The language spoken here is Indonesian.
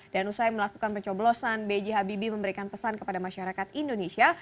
dan usai melakukan pencoblosan b j habibie memberikan pesan kepada masyarakat indonesia